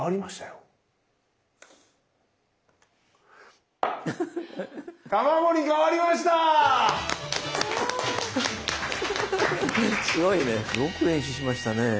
よく練習しましたね。